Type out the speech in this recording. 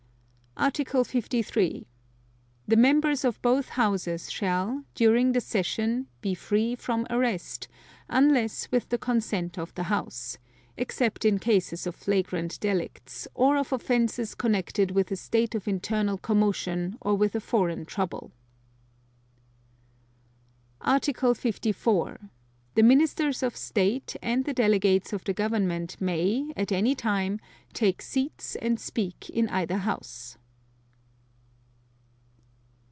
Article 53. The Members of both Houses shall, during the session, be free from arrest, unless with the consent of the House, except in cases of flagrant delicts, or of offenses connected with a state of internal commotion or with a foreign trouble. Article 54. The Ministers of State and the Delegates of the Government may, at any time, take seats and speak in either House.